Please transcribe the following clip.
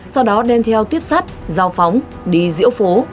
sau đó đem theo tiếp sát giao phóng đi diễu phố